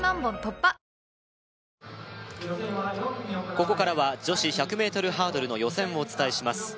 ここからは女子１００ｍハードルの予選をお伝えします